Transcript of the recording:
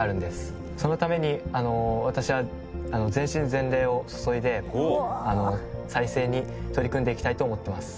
そのために私は全身全霊を注いで再生に取り組んでいきたいと思ってます。